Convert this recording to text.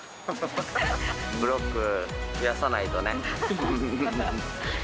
ブロック増やさないとね。